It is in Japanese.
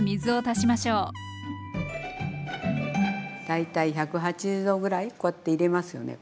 大体１８０℃ぐらいこうやって入れますよね